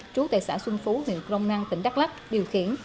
trú tại xã xuân phú huyện grong năng tỉnh đắk lắc điều khiển